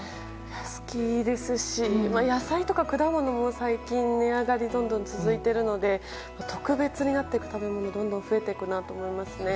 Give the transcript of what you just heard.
好きですし、野菜とか果物も最近、値上がりどんどん続いているので特別になっていく食べ物がどんどん増えていくなと感じますね。